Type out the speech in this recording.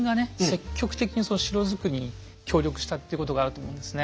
積極的にその城造りに協力したっていうことがあると思うんですね。